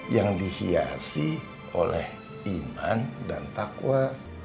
yang dihiasi oleh iman dan takwa